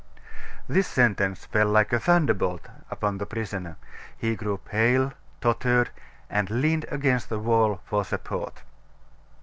This sentence fell like a thunderbolt upon the prisoner; he grew pale, tottered, and leaned against the wall for support.